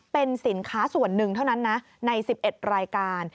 เป็นสินค้าส่วนหนึ่งเท่านั้นนะใน๑๑รายการ